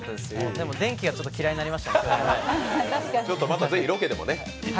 でも電気がちょっと嫌いになりましたね。